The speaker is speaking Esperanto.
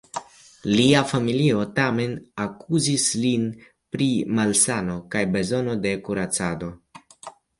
Lia familio tamen akuzis lin pri malsano kaj bezono de kuracado.